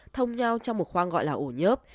thông nhau trong một khoang gọi là ổ nhớp